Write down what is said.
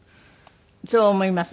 そう思います